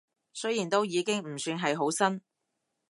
雖然都已經唔算係好新